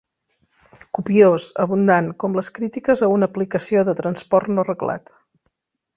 Copiós, abundant, com les crítiques a una aplicació de transport no reglat.